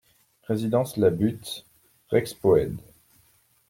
Résidence La Butte, Rexpoëde